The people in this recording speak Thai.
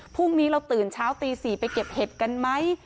พรุ่งนี้เราตื่นเช้าตี๔ไปเก็บเห็ดกันไหม